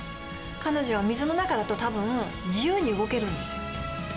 彼女は水の中だとたぶん、自由に動けるんですよ。